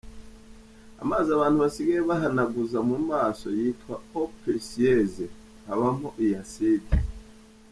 Amazi abantu basigaye bihanaguza mu maso yitwa”eau precieuse”abamo iyi acide.